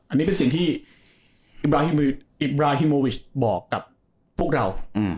อันนี้เป็นสิ่งที่อิบราฮิโมวิชบอกกับพวกเรา